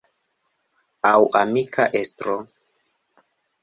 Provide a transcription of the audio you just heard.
Aŭ amika estro.